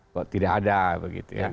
kok tidak ada